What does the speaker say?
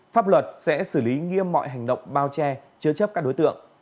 pháp luật sẽ xử lý nghiêm mọi hành động bao che chứa chấp các đối tượng